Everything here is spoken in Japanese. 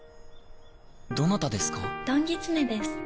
どなたですか？